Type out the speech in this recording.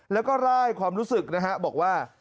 แล้วก็ร่ายความรู้สึกนะฮะบอกว่า